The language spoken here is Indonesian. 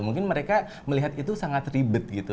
mungkin mereka melihat itu sangat ribet gitu